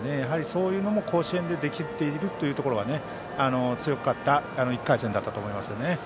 そういうのも甲子園でできているところが強かった１回戦だったと思います。